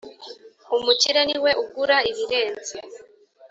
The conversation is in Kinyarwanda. Umukire niwe ugura ibirenze.